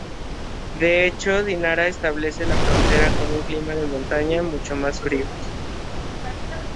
De hecho, Dinara establece la frontera con un clima de montaña mucho más frío.